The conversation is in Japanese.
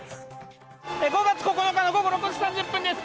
５月９日の午後６時３０分です。